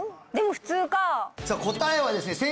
でも普通か答えはですね